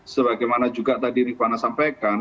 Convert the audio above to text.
sebagaimana juga tadi rifana sampaikan